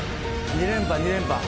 ２連覇２連覇。